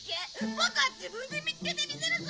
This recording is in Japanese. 僕は自分で見つけてみせるぞ！